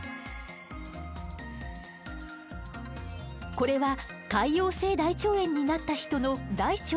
これは潰瘍性大腸炎になった人の大腸の中。